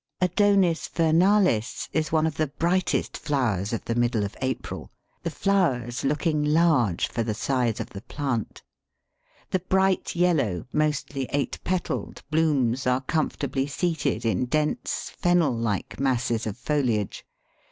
Adonis vernalis is one of the brightest flowers of the middle of April, the flowers looking large for the size of the plant. The bright yellow, mostly eight petalled, blooms are comfortably seated in dense, fennel like masses of foliage.